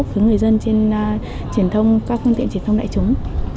của người dân trên các phương tiện truyền thông đại chúng